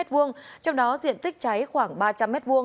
trong đó diện tích cháy khoảng ba trăm linh m hai